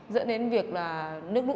dẫn đến việc nước lũ